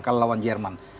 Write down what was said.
kalah lawan jerman